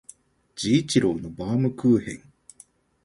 治一郎のバームクーヘン